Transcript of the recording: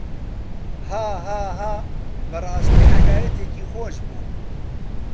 هاهاها بەڕاستی حەکایەتێکی خۆش بوو.